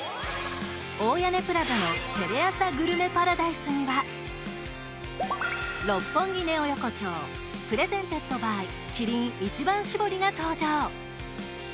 大屋根プラザの「テレアサグルメパラダイス」には「六本木ネオ横丁ｐｒｅｓｅｎｔｅｄｂｙキリン一番搾り」が登場。